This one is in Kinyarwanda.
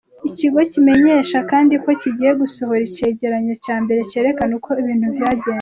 Ico kigo kimenyesha kandi ko kigiye gusohora icegeranyo ca mbere cerekana uko ibintu vyagenze.